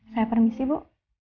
saya permisi bu